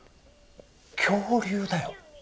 恐竜！だよ。